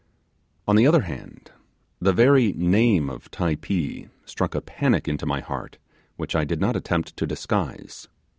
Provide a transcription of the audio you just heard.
On the other hand, the very name of Typee struck a panic into my heart which I did not attempt to disguise.